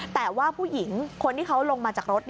แต่ว่าผู้หญิงคนที่เขาลงมาจากรถ